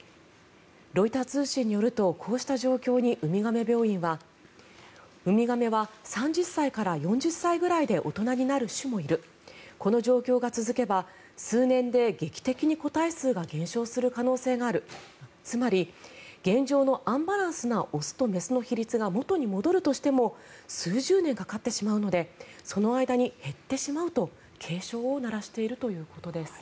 ロイター通信によるとこうした状況にウミガメ病院はウミガメは３０歳から４０歳くらいで大人になる種もいるこの状況が続けば数年で劇的に個体数が減少する可能性があるつまり、現状のアンバランスな雄と雌の比率が元に戻るとしても数十年かかってしまうのでその間に減ってしまうと警鐘を鳴らしているということです。